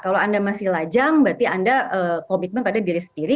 kalau anda masih lajang berarti anda komitmen pada diri sendiri